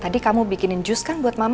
tadi kamu bikinin jus kan buat mama